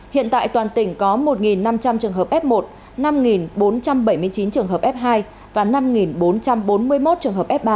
hiện tại toàn tỉnh có một năm trăm linh trường hợp f một năm bốn trăm bảy mươi chín trường hợp f hai và năm bốn trăm bốn mươi một trường hợp f ba